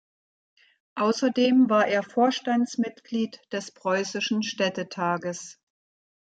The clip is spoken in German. Außerdem war er Vorstandsmitglied des Preußischen Städtetages.